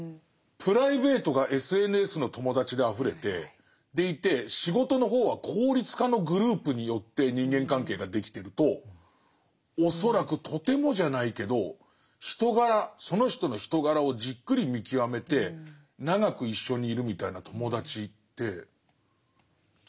プライベートがＳＮＳの友達であふれてでいて仕事の方は効率化のグループによって人間関係ができてると恐らくとてもじゃないけど人柄その人の人柄をじっくり見極めて長く一緒にいるみたいな友達ってつくれない。